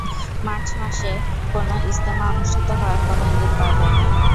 March মাসে কোনও "ইজতেমা" অনুষ্ঠিত হওয়ার কোনও ইঙ্গিত পাওয়া যায়নি।